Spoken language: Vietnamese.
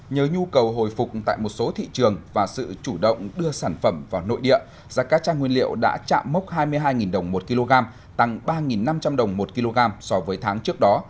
nhớ nhu cầu hồi phục tại một số thị trường và sự chủ động đưa sản phẩm vào nội địa giá cá cha nguyên liệu đã chạm mốc hai mươi hai đồng một kg tăng ba năm trăm linh đồng một kg so với tháng trước đó